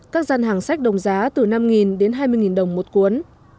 các gian hàng sách đồng giá từ năm đến hai mươi đồng một cuốn